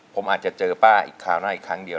ผมอาจจะเจอป้าอีกคราวหน้าอีกครั้งเดียว